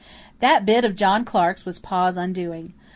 That bid of John Clarke's was Pa's undoing.